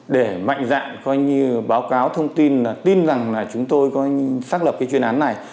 để mạnh dạng coi như báo cáo thông tin tin rằng chúng tôi xác lập chuyên án này